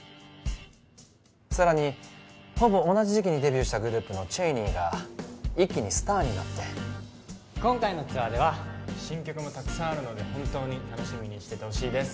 さらにほぼ同じ時期にデビューしたグループのＣＨＡＹＮＥＹが一気にスターになって今回のツアーでは新曲もたくさんあるので本当に楽しみにしててほしいです